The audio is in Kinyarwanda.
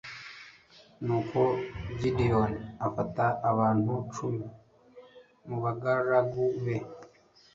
nuko gideyoni afata abantu cumi mu bagaragu be